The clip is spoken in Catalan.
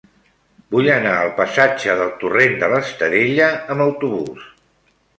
Vull anar al passatge del Torrent de l'Estadella amb autobús.